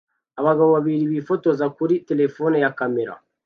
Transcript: Abagabo babiri bifotoza kuri terefone ya kamera